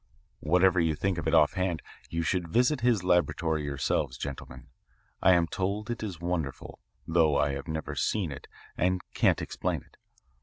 Whatever you think of it offhand, you should visit his laboratory yourselves, gentlemen. I am told it is wonderful, though I have never seen it and can't explain it.